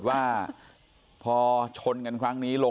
สวัสดีครับทุกคน